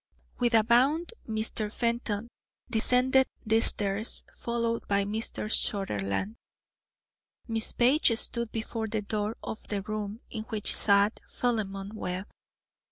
With a bound Mr. Fenton descended the stairs, followed by Mr. Sutherland. Miss Page stood before the door of the room in which sat Philemon Webb.